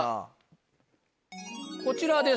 こちらです！